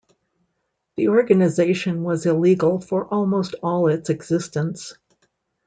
The organization was illegal for almost all its existence.